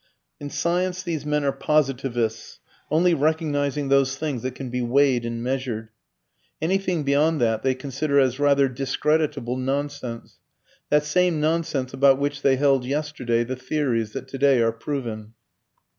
In science these men are positivists, only recognizing those things that can be weighed and measured. Anything beyond that they consider as rather discreditable nonsense, that same nonsense about which they held yesterday the theories that today are proven.